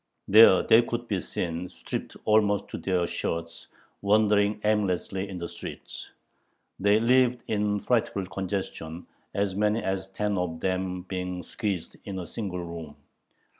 There they could be seen, stripped almost to their shirts, wandering aimlessly in the streets. They lived in frightful congestion, as many as ten of them being squeezed into a single room.